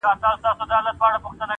• پکښي ګرځېدې لښکري د آسونو -